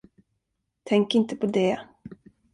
Tänk inte på det.